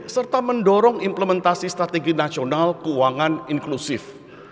serta mendorong implementasi strategi nasional keuangan inklusif